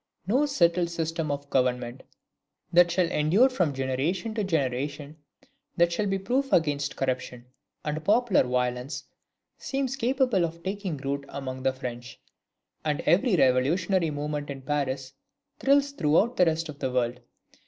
No settled system of government, that shall endure from generation to generation, that shall be proof against corruption and popular violence, seems capable of taking root among the French. And every revolutionary movement in Paris thrills throughout the rest of the world.